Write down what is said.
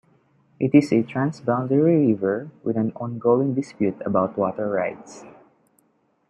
It is a trans-boundary river with an ongoing dispute about water rights.